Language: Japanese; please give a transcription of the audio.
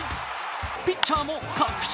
ピッチャーも確信